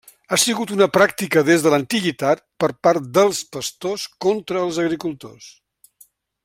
Ha sigut una pràctica des de l'antiguitat per part dels pastors contra els agricultors.